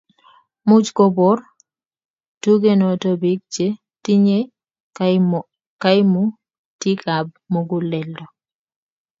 much kobar tugenoto biik che tinyei kaimutikab muguleldo